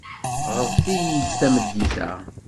Ɣret-iyi-d tameddit-a.